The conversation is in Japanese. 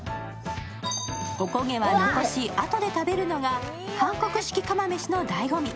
おこげは残し、あとで食べるのが韓国式釜飯のだいご味。